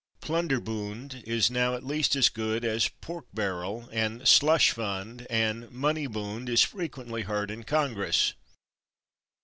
/Plunder bund/ is now at least as good as /pork barrel/ and /slush fund/, and /money bund/ is frequently heard in Congress.